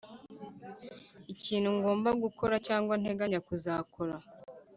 ikintu ngomba gukora cyangwa nteganya kuzakora